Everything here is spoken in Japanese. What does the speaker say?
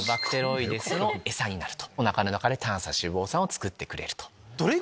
おなかの中で短鎖脂肪酸を作ってくれる。